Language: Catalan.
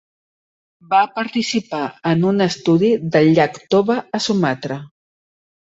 Va participar en un estudi del llac Toba, a Sumatra.